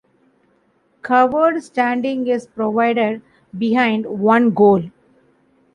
Covered standing is provided behind one goal.